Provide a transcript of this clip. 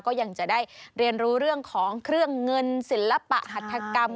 ก็ยังจะได้เรียนรู้เรื่องของเงินเสล็มภาถกรรม